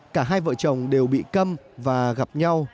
cả hai vợ chồng đều bị cầm và gặp nhau